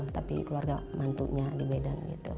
tapi keluarga mantunya di medan